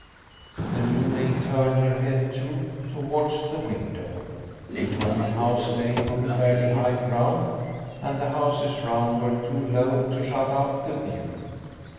The new maid turned her head, too, towards the window. The dwelling house lay on fairly high ground and the houses round were too low to shut out the view.